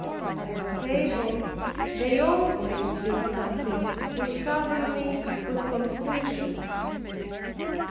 At the table they always did something which covered me with confusion.